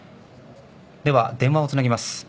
では電話をつなぎます。